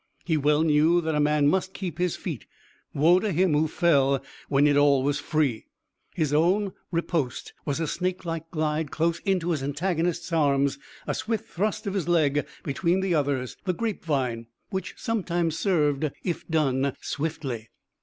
He well knew that a man must keep his feet. Woe to him who fell when it all was free! His own riposte was a snakelike glide close into his antagonist's arms, a swift thrust of his leg between the other's the grapevine, which sometimes served if done swiftly.